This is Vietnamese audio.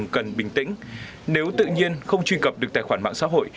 cần bình tĩnh nếu tự nhiên không truy cập được tài khoản mạng xã hội